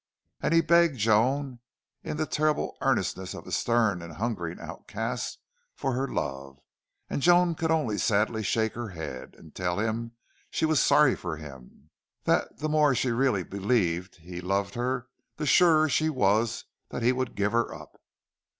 And he begged Joan in the terrible earnestness of a stern and hungering outcast for her love. And Joan could only sadly shake her head and tell him she was sorry for him, that the more she really believed he loved her the surer she was that he would give her up.